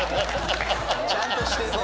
ちゃんとしてんね